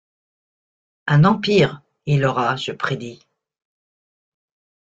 Un empire, il aura, je prédis.